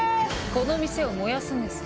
この店を燃やすんです。